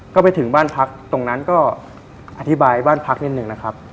ก็ไปถึงบ้านพักตรงนั้นก็อธิบายบ้านพักนิดนึงนะครับ